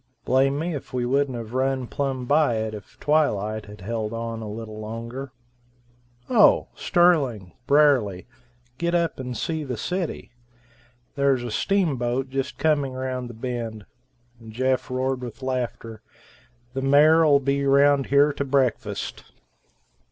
Blame me if we wouldn't have run plumb by it if twilight had held on a little longer. Oh! Sterling, Brierly, get up and see the city. There's a steamboat just coming round the bend." And Jeff roared with laughter. "The mayor'll be round here to breakfast."